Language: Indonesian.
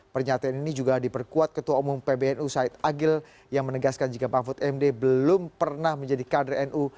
pernyataan ini juga diperkuat ketua umum pbnu said agil yang menegaskan jika mahfud md belum pernah menjadi kader nu